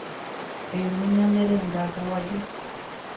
Eru ñande renda kavaju.